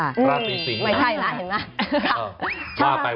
ไม่ใช่ล่ะเห็นมั้ย